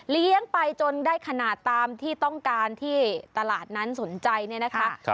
ไปจนได้ขนาดตามที่ต้องการที่ตลาดนั้นสนใจเนี่ยนะคะ